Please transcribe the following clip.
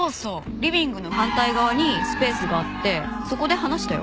リビングの反対側にスペースがあってそこで話したよ。